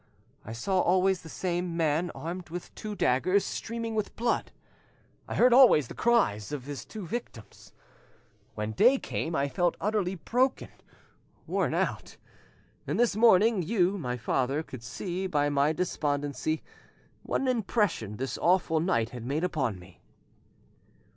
I saw always the same man armed with two daggers streaming with blood; I heard always the cries of his two victims. When day came, I felt utterly broken, worn out; and this morning, you, my father, could see by my despondency what an impression this awful night had made upon me."